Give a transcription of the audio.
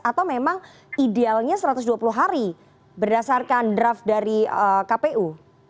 atau memang idealnya satu ratus dua puluh hari berdasarkan draft dari kpu